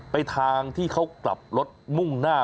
ไปทางที่เขากลับรถมุ่งหน้า